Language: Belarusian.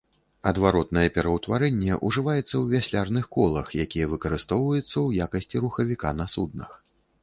Адваротнае пераўтварэнне ўжываецца ў вяслярных колах, якія выкарыстоўваюцца ў якасці рухавіка на суднах.